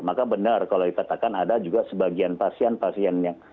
maka benar kalau dikatakan ada juga sebagian pasien pasiennya